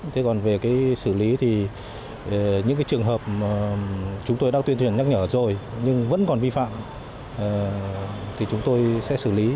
thế còn về xử lý thì những trường hợp chúng tôi đã tuyên truyền nhắc nhở rồi nhưng vẫn còn vi phạm thì chúng tôi sẽ xử lý